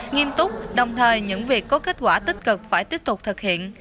nghiêm túc đồng thời những việc có kết quả tích cực phải tiếp tục thực hiện